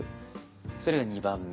それが２番目。